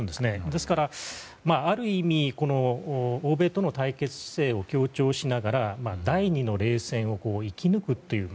ですから、ある意味欧米との対決姿勢を強調しながら第２の冷戦を生き抜くという